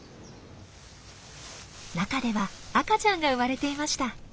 中では赤ちゃんが生まれていました。